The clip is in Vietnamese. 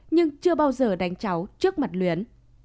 nhưng chưa bao giờ đánh cháu trước mặt luyến